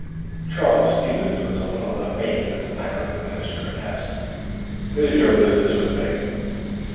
Charles Stevens was a little amazed at the manner of the minister and asked: "Is your business with me?"